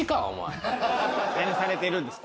何されてるんですか？